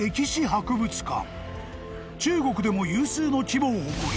［中国でも有数の規模を誇り］